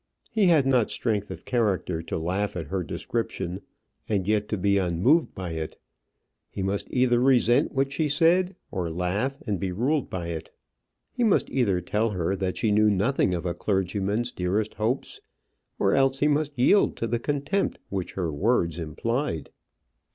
He had not strength of character to laugh at her description and yet to be unmoved by it. He must either resent what she said, or laugh and be ruled by it. He must either tell her that she knew nothing of a clergyman's dearest hopes, or else he must yield to the contempt which her words implied.